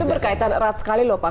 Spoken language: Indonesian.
itu berkaitan erat sekali lho pak